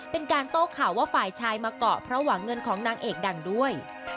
เป็นการโต้ข่าวว่าฝ่ายชายมาเกาะเพราะหวังเงินของนางเอกดังด้วย